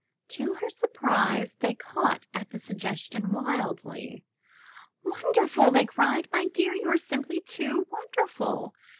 '* To her surprise they caught at the suggestion wildly. "Wonderful!" they cried. "My dear, you are simply too wonderful!